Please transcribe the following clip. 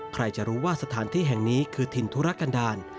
ใครจะรู้ว่าสถานที่แห่งนี้คือถิ่นธุรกันดาล